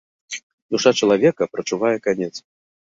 Душа чалавека прачувае канец.